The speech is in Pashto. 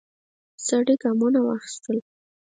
سړی ګامونه واخیستل.